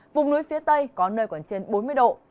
vùng núi phía tây có nơi còn trên bốn mươi độ